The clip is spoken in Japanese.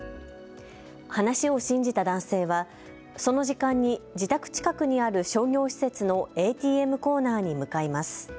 話を信じた男性はその時間に自宅近くにある商業施設のＡＴＭコーナーに向かいます。